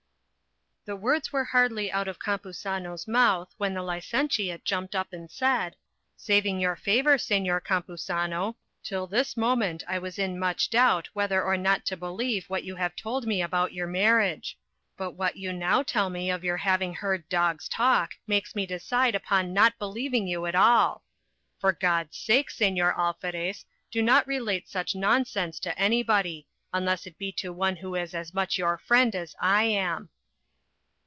The words were hardly out of Campuzano's mouth, when the licentiate jumped up and said: "Saving your favour, Señor Campuzano, till this moment I was in much doubt whether or not to believe what you have told me about your marriage; but what you now tell me of your having heard dogs talk, makes me decide upon not believing you at all. For God's sake, Señor Alferez, do not relate such nonsense to any body, unless it be to one who is as much your friend as I am."